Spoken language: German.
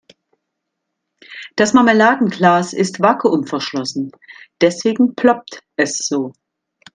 Das Marmeladenglas ist vakuumverschlossen, deswegen ploppt es so.